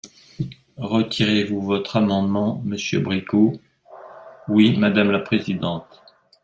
Retirez-vous votre amendement, monsieur Bricout ? Oui, madame la présidente.